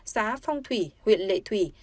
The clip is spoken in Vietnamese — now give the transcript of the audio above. xã phong thủy huyện lệ thủy